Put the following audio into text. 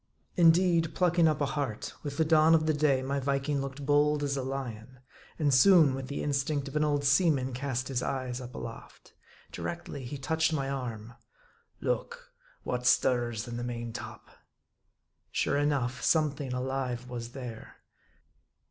84 M A R D I. Indeed, plucking up a heart, with the dawn of the day my Viking looked bold as a lion ; and soon, with the instinct of an old seaman cast his eyes up aloft. Directly, he touched my arm, " Look : what stirs in the , main top ?" Sure enough, something alive was there.